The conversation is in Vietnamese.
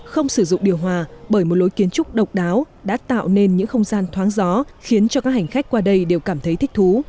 không sử dụng điều hòa bởi một lối kiến trúc độc đáo đã tạo nên những không gian thoáng gió khiến cho các hành khách qua đây đều cảm thấy thích thú